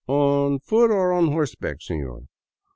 On foot or on horseback, seiior?"